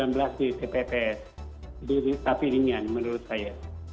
tapi ringan menurut saya